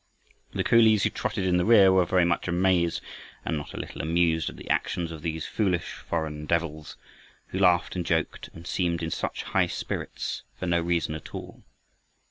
The coolies who trotted in the rear were very much amazed and not a little amused at the actions of these foolish foreign devils, who laughed and joked and seemed in such high spirits for no reason at all.